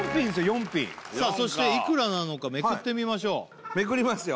４品さあそしていくらなのかめくってみましょうめくりますよ